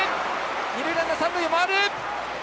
二塁ランナー三塁を回る！